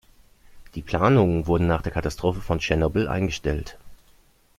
Die Planungen wurden nach der Katastrophe von Tschernobyl eingestellt.